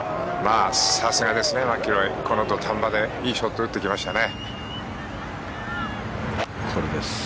さすがですね、マキロイこの土壇場でいいショットを打ってきましたね。